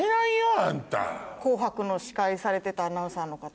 『紅白』の司会されてたアナウンサーの方。